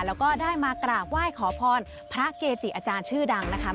แล้วก็ได้มากราบไหว้ขอพรพระเกจิอาจารย์ชื่อดังนะคะ